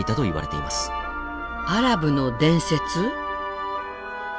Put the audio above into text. アラブの伝説？